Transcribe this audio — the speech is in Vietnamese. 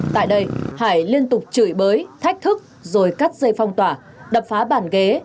tại đây hải liên tục chửi bới thách thức rồi cắt dây phong tỏa đập phá bàn ghế